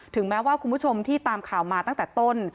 แม้ว่าคุณผู้ชมที่ตามข่าวมาตั้งแต่ต้น